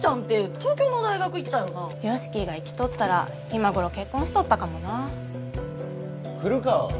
東京の大学行ったよな由樹が生きとったら今頃結婚しとったかもな古川は？